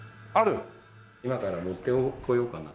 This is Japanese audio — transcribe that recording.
今から持ってこようかなと。